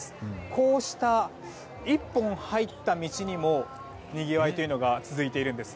こうした１本入った道にもにぎわいが続いているんです。